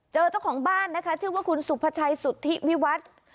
เจ้าของบ้านนะคะชื่อว่าคุณสุภาชัยสุธิวิวัฒน์